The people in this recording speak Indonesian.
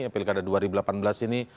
pilkada dua ribu delapan belas ini